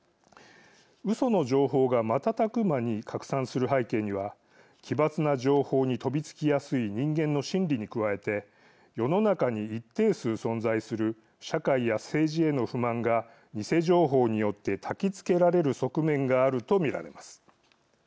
うその情報が瞬く間に拡散する背景には奇抜な情報に飛びつきやすい人間の心理に加えて世の中に一定数存在する社会や政治への不満が偽情報によって、たきつけられる側面があると見られます。